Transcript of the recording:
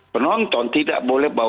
penonton tidak boleh